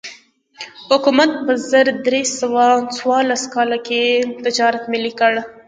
حکومت په زر درې سوه څوارلس کال کې تجارت ملي کړ.